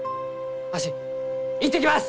わし行ってきます！